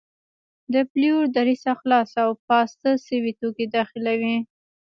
د پلیور دریڅه خلاصه او پاسته شوي توکي داخلوي.